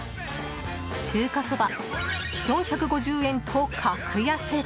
中華そば４５０円と格安。